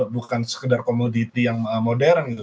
bukan sekedar komoditi yang modern gitu